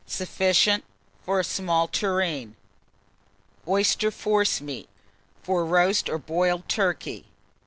Sufficient for a small tureen. OYSTER FORCEMEAT, for Roast or Boiled Turkey.